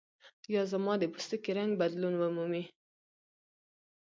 یا زما د پوستکي رنګ بدلون ومومي.